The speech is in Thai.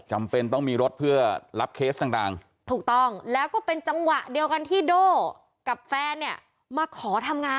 จำเป็นต้องมีรถเพื่อรับเคสต่าง